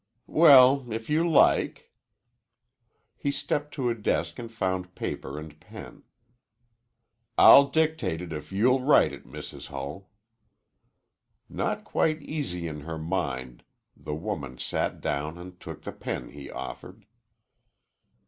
"Well, if you like." He stepped to a desk and found paper and pen. "I'll dictate it if you'll write it, Mrs. Hull." Not quite easy in her mind, the woman sat down and took the pen he offered.